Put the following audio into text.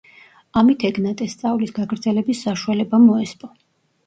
ამით ეგნატეს სწავლის გაგრძელების საშუალება მოესპო.